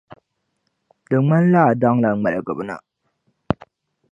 Di ŋmanila a daŋla ŋmaligibu na